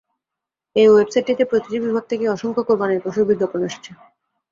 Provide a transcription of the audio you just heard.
এ ওয়েবসাইটটিতে প্রতিটি বিভাগ থেকেই অসংখ্য কোরবানির পশুর বিজ্ঞাপন আসছে।